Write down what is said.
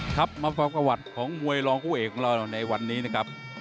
ครับมาฟังประวัติของมวยรองคู่เอกของเราในวันนี้นะครับ